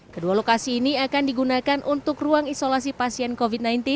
kedua lokasi ini akan digunakan untuk ruang isolasi pasien covid sembilan belas